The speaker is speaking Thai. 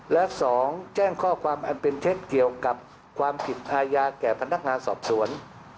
และ๒แจ้งข้อความอันเป็นเท็จเกี่ยวกับความผิดอาญาแก่พนักงานสอบสวน